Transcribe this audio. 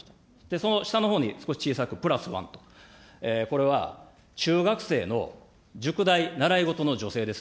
その下のほうに少し小さく＋１と、これは中学生の塾代、習い事の助成です。